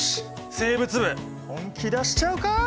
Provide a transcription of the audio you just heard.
生物部本気出しちゃうか！